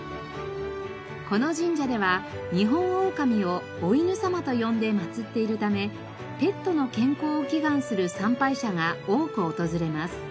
この神社ではニホンオオカミをおいぬ様と呼んで祀っているためペットの健康を祈願する参拝者が多く訪れます。